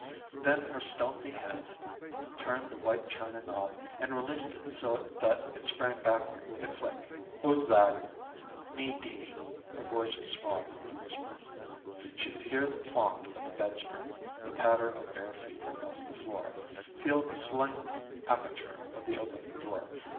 Then her stealthy hand turned the white china knob and released it so that it sprang backward with a click. "Who's that?" "Me, Dee Dee." Her voice was swathed in a whisper. She could hear the plong of the bedspring, the patter of bare feet across the floor; feel the slight aperture of the opening door.